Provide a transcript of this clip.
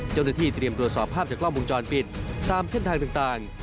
เจ้าหน้าที่เตรียมตรวจสอบภาพจากกล้องวงจรปิดตามเส้นทางต่าง